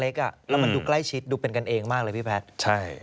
แล้วมันดูใกล้ชิดดูเป็นกันเองมากเลยพี่แพทย์ใช่